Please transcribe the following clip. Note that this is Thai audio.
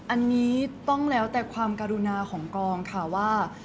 อันนี้ต้องแล้วแต่ความกรุณาของกองค่ะว่า